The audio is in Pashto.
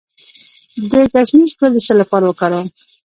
د ګشنیز ګل د څه لپاره وکاروم؟